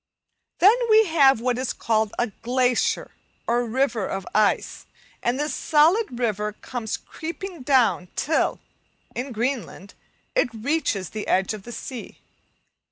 Then we have what is called a "glacier," or river of ice, and this solid river comes creeping down till, in Greenland, it reaches the edge of the sea.